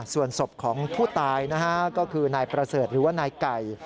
ส่วนศพของผู้ตายนะฮะก็คือนายประเสริฐหรือว่านายไก่